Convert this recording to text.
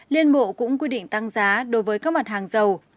liên bộ cũng quy định tăng giá đối với các mặt hàng dầu